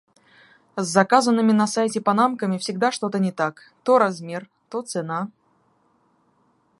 С заказанными на сайте панамками всегда что-то не так. То размер, то цена...